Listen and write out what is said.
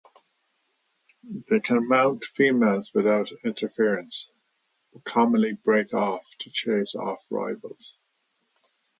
They can mount females without interference, but commonly break off to chase off rivals.